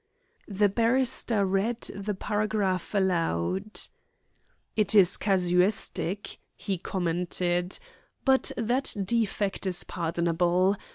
The barrister read the paragraph aloud. "It is casuistic," he commented, "but that defect is pardonable.